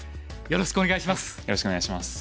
よろしくお願いします。